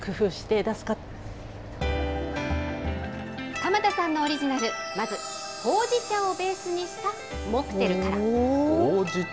鎌田さんのオリジナル、まずほうじ茶をベースにしたモクテルから。